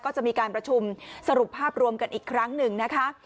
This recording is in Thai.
ก็จะมีการประชุมสรุปภาพรวมกันอีกครั้งหนึ่งนะคะ